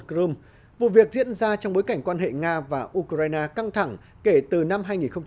crome vụ việc diễn ra trong bối cảnh quan hệ nga và ukraine căng thẳng kể từ năm hai nghìn một mươi